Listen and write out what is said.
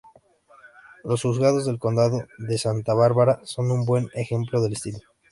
Los juzgados del condado de Santa Bárbara son un buen ejemplo del estilo.